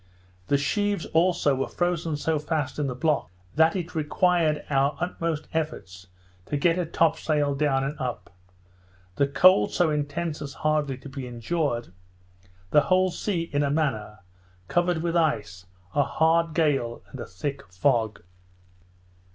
The sheaves also were frozen so fast in the blocks, that it required our utmost efforts to get a top sail down and up; the cold so intense as hardly to be endured; the whole sea, in a manner, covered with ice; a hard gale, and a thick fog.